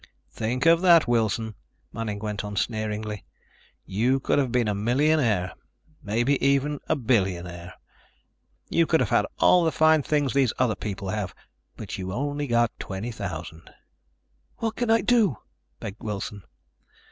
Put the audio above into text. "Think of that, Wilson," Manning went on sneeringly. "You could have been a millionaire. Maybe even a billionaire. You could have had all the fine things these other people have. But you only got twenty thousand." "What can I do?" begged Wilson.